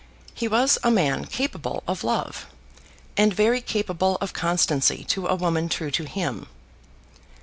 He was a man capable of love, and very capable of constancy to a woman true to him.